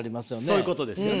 そういうことですよね。